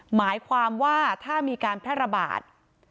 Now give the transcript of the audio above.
หมายความว่าถ้ามีการแพร่ระบาด